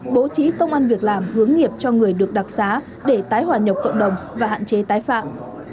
bố trí công an việc làm hướng nghiệp cho người được đặc xá để tái hòa nhập cộng đồng và hạn chế tái phạm